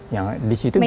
yang di situ bisa